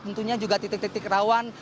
tentunya juga titik titik rawan